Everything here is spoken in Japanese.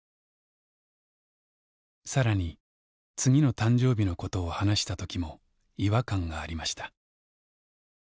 更に次の誕生日のことを話した時も違和感がありました。